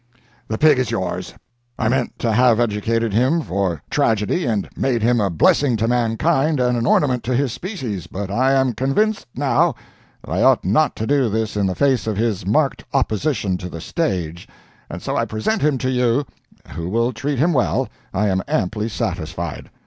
The pig is yours. I meant to have educated him for tragedy and made him a blessing to mankind and an ornament to his species, but I am convinced, now, that I ought not to do this in the face of his marked opposition to the stage, and so I present him to you, who will treat him well, I am amply satisfied.